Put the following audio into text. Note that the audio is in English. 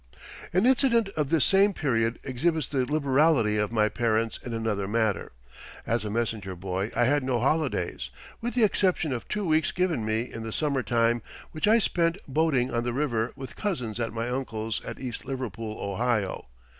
An incident of this same period exhibits the liberality of my parents in another matter. As a messenger boy I had no holidays, with the exception of two weeks given me in the summer time, which I spent boating on the river with cousins at my uncle's at East Liverpool, Ohio.